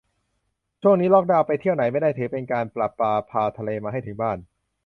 ช่วงนี้ล็อกดาวน์ ไปเที่ยวไหนไม่ได้ ถือว่าการประปาพาทะเลมาให้ถึงบ้าน